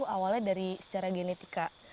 awalnya dari secara genetika